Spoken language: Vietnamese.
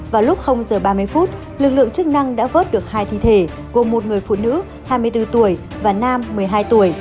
vào lúc giờ ba mươi phút lực lượng chức năng đã vớt được hai thi thể gồm một người phụ nữ hai mươi bốn tuổi và nam một mươi hai tuổi